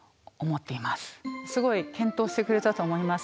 すごい健闘してくれたと思います。